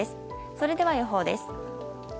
それでは予報です。